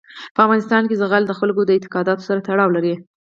په افغانستان کې زغال د خلکو د اعتقاداتو سره تړاو لري.